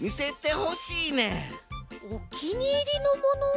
おきにいりのもの？